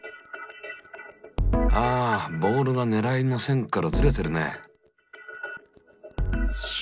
あボールがねらいの線からずれてるね。